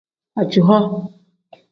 Ajihoo.